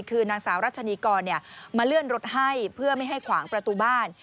คือนางสาวรัชนีกรมาเลื่อนรถให้เพื่อไม่ให้ขวางประตูบ้าน